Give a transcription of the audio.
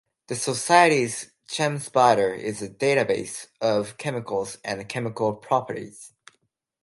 The society's ChemSpider is a database of chemicals and chemical properties.